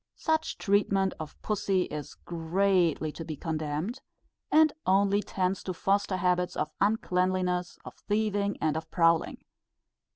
Such treatment of pussy is greatly to be condemned, and only tends to foster habits of uncleanliness, of thieving, and of prowling.